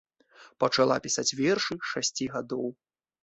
Пачала пісаць вершы з шасці гадоў.